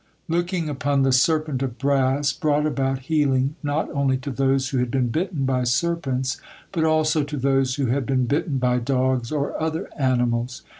Looking upon the serpent of brass brought about healing not only to those who had been bitten by serpents, but also to those who had been bitten by dogs or other animals.